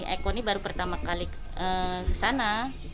eko ini baru pertama kali ke sana